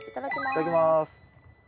いただきます。